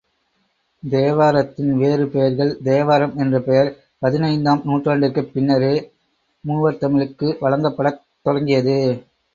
தேவாரத்தின் வேறு பெயர்கள் தேவாரம் என்ற பெயர் பதினைந்தாம் நூற்றாண்டிற்குப் பின்னரே மூவர் தமிழுக்கு வழங்கப்படத் தொடங்கியது.